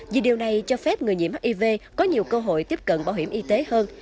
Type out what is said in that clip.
vì điều này cho phép người nhiễm hiv có nhiều cơ hội tiếp cận bảo hiểm y tế hơn